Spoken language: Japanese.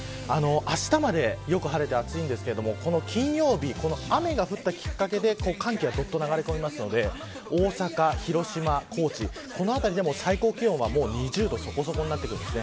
あしたまでよく晴れて暑いんですが金曜日、雨が降ったきっかけで寒気が流れ込みますので大阪、広島、高知この辺りでも最高気温は２０度そこそこになってきます。